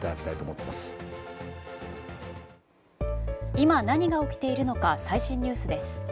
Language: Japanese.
今、何が起きているのか最新ニュースです。